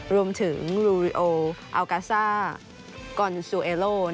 รวมถึงลูริโออัลกาซ่ากอนซูเอโล